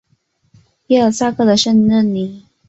耶尔萨克的圣热尼。